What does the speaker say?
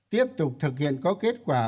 tiếp tục thực hiện có kết quả